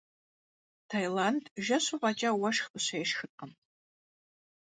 Таиланд жэщу фӏэкӏа уэшх къыщешхыркъым.